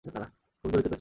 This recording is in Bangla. খুব জোরে চেপেছে।